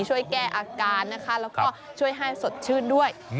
ช่วยแก้อาการนะคะแล้วก็ช่วยให้สดชื่นด้วย